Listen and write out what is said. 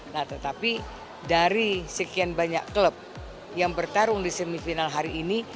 nah tetapi dari sekian banyak klub yang bertarung di semifinal hari ini